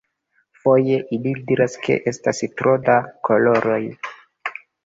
Foje, ili diras ke estas tro da koloroj.